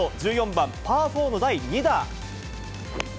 １４番パー４の第２打。